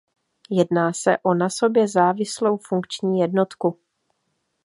Jedná se o na sobě závislou funkční jednotku.